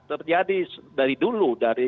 terjadi dari dulu